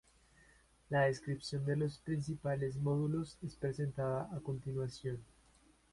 La descripción de los principales módulos es presentada a continuación.